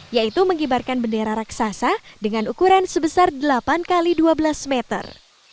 yaitu mengibarkan bendera raksasa dengan ukuran sebesar delapan x dua belas meter